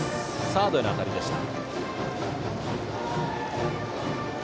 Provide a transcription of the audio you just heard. サードへの当たりでした。